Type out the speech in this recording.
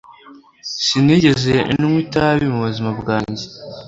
Sinigeze nywa itabi mu buzima bwanjye.